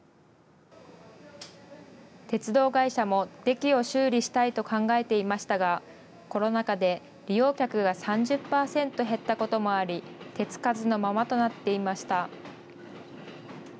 鉄道会社もデキを修理したいと考えていましたが、コロナ禍で利用客が３０％減ったこともあり、手付かずのままとなっていました。